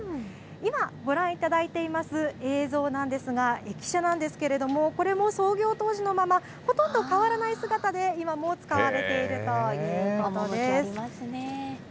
今、ご覧いただいています映像なんですが、駅舎なんですけれども、これも創業当時のまま、ほとんど変わらない姿で今も使われているということです。